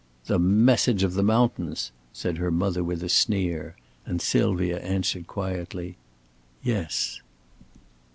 "The message of the mountains!" said her mother with a sneer, and Sylvia answered quietly: "Yes."